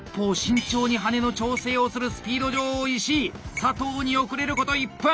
佐藤に遅れること１分！